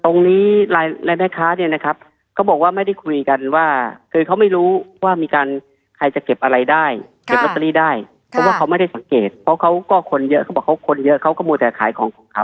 ตรงนี้รายแม่ค้าเนี่ยนะครับเขาบอกว่าไม่ได้คุยกันว่าคือเขาไม่รู้ว่ามีการใครจะเก็บอะไรได้เก็บลอตเตอรี่ได้เพราะว่าเขาไม่ได้สังเกตเพราะเขาก็คนเยอะเขาบอกเขาคนเยอะเขาก็มัวแต่ขายของของเขา